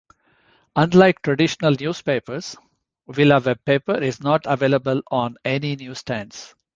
Unlike traditional newspapers, VilaWeb Paper is not available on any newsstands.